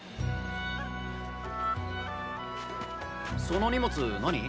その荷物何？